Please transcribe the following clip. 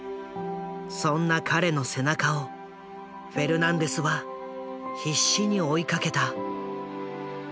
そんな彼の背中をフェルナンデスは必死に追いかけた。